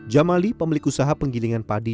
jamali pemilik usaha penggilingan padi